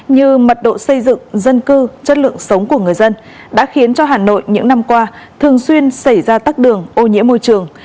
như mật độ xây dựng dân cư chất lượng sống của người dân đã khiến cho hà nội những năm qua thường xuyên xảy ra tắc đường ô nhiễm môi trường